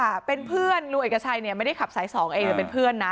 ค่ะเป็นเพื่อนลุงเอกชัยเนี่ยไม่ได้ขับสายสองเองแต่เป็นเพื่อนนะ